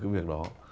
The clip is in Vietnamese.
cái việc đó